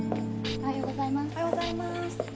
おはようございます。